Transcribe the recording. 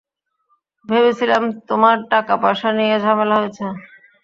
ভেবেছিলাম তোমার টাকা পয়সা নিয়ে ঝামেলা হয়েছে।